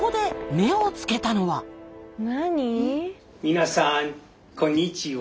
皆さんこんにちは。